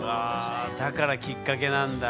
だからきっかけなんだ。